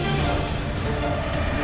jangan pak landung